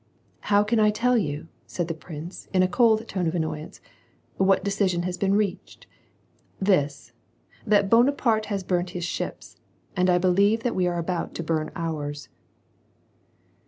" How can I tell you," said the prince, in a cold tone of annoyance, "what decision has been reached? This: that Bonaparte has burnt his ships, and I believe that we are about to burn ours."